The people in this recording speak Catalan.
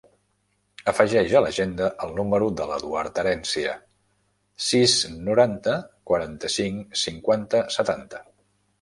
Afegeix a l'agenda el número de l'Eduard Herencia: sis, noranta, quaranta-cinc, cinquanta, setanta.